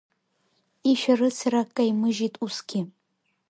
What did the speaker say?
Ишәарыцара каимыжьит усгьы.